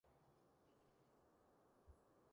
奇門遁甲以乙、丙、丁稱為三奇